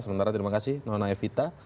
sementara terima kasih nona evita